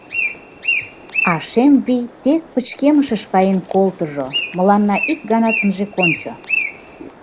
А шем вий тек пычкемышыш каен колтыжо, мыланна ик ганат ынже кончо...